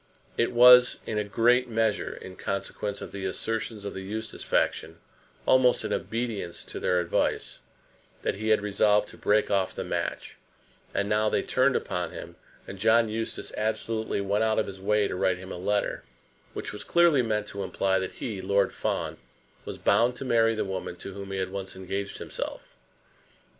It was, in a great measure, in consequence of the assertions of the Eustace faction, almost in obedience to their advice, that he had resolved to break off the match; and now they turned upon him, and John Eustace absolutely went out of his way to write him a letter which was clearly meant to imply that he, Lord Fawn, was bound to marry the woman to whom he had once engaged himself!